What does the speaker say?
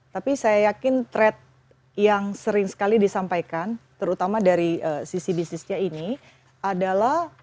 tapi saya yakin trade yang sering sekali disampaikan terutama dari sisi bisnisnya ini adalah